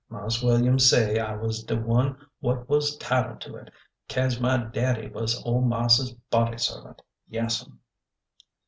Marse William say I was de one what was 'titled to it, caze my daddy was ole marse's body servant. Yaas'm."